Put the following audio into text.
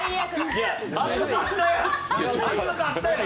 熱かったやん！